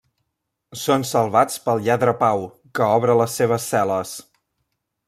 Són salvats pel lladre Pau, que obre les seves cel·les.